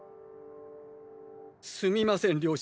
すみません領主。